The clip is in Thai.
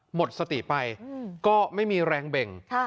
หมดสติไปก็ไม่มีแรงเบ่ง